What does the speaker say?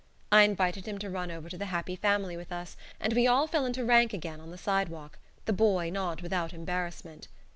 I invited him to run over to "The Happy Family" with us, and we all fell into rank again on the sidewalk, the boy not without embarrassment.